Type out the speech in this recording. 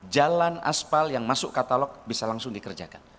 jalan aspal yang masuk katalog bisa langsung dikerjakan